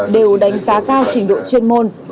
đều đánh giá cao trình độ chuyên môn